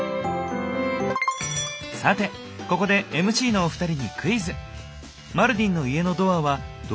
さてここでＭＣのお二人にクイズ！